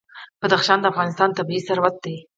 بدخشان د افغانستان طبعي ثروت دی.